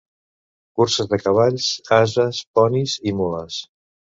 Curses de cavalls, ases, ponis i mules.